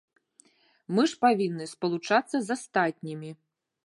Мы ж павінны спалучацца з астатнімі.